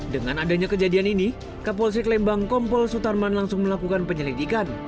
dengan adanya kejadian ini kapolsek lembang kompol sutarman langsung melakukan penyelidikan